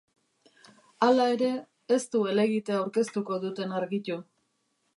Hala ere, ez du helegitea aurkeztuko duten argitu.